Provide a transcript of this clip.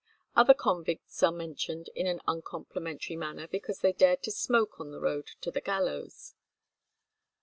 Other convicts are mentioned in an uncomplimentary manner because they dared to smoke on their road to the gallows.